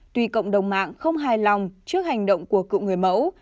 tuy cộng đồng mạng không hài lòng trước hành động của cựu người mẫu